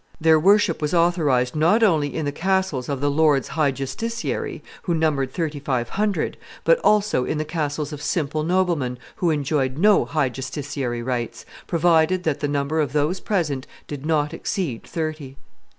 Their worship was authorized not only in the castles of the lords high justiciary, who numbered thirty five hundred, but also in the castles of simple noblemen who enjoyed no high justiciary rights, provided that the number of those present did not exceed thirty.